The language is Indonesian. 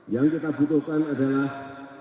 yang kita butuhkan adalah